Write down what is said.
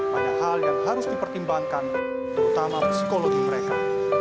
banyak hal yang harus dipertimbangkan terutama psikologi mereka